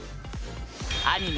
アニメ